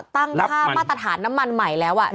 ค่ามาตรฐานน้ำมันใหม่แล้ว